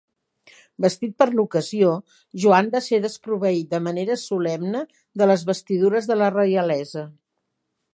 Vestit per a l'ocasió, Joan va ser desproveït de manera solemne de les vestidures de la reialesa.